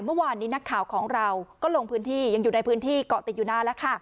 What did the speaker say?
เมื่อวานนี้นักข่าวของเราก็ลงพื้นที่ยังอยู่ในพื้นที่เกาะติดอยู่นานแล้วค่ะ